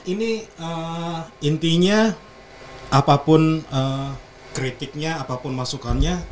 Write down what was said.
ini intinya apapun kritiknya apapun masukannya